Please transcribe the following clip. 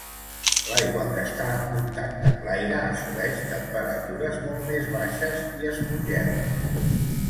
L'aigua que està en contacte amb l'aire assoleix temperatures molt més baixes i es congela.